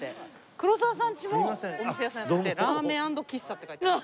黒沢さんちもお店屋さんやってて「ラーメン＆喫茶」って書いてある。